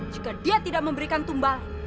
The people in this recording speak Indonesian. jika dia tidak memberikan tumbal